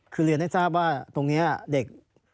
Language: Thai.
คือเรียนให้ทราบว่าตรงนี้เด็ก